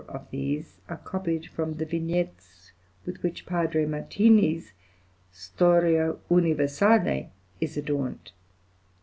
1, 3, 4 of these are copied from the vignettes with which Padre Martini's "Storia Universale" is adorned.